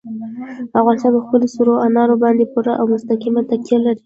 افغانستان په خپلو سرو انارو باندې پوره او مستقیمه تکیه لري.